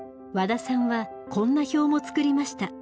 ワダさんはこんな表も作りました。